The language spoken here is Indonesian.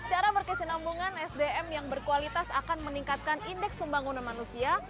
cara berkesinambungan sdm yang berkualitas akan meningkatkan indeks pembangunan manusia